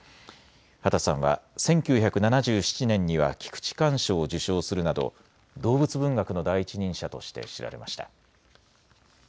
畑さんは１９７７年には菊池寛賞を受賞するなど動物文学の第一人者として知られました。